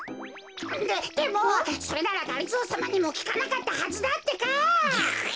ででもそれならがりぞーさまにもきかなかったはずだってか！